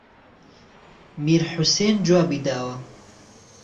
میرحوسێن جوابی داوه